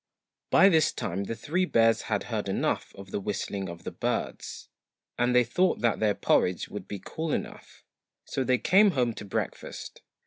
By this time the three bears had heard enough of the whistling of the birds, and they thought that their porridge would be cool enough ; so they came home to breakfast.